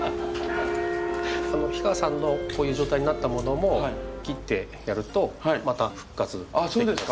氷川さんのこういう状態になったものも切ってやるとまた復活できます。